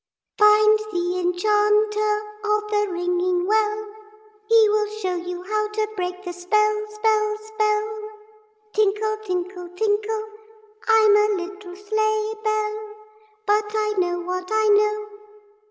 Find the Enchanter of the Ringing Well, He will show you how to break the spell, spell, spell. Tinkle, tinkle, tinkle, I'm a little sleigh bell, But I know what I know....